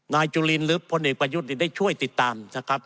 นายจุลินหรือพลเอกประยุทธ์ได้ช่วยติดตาม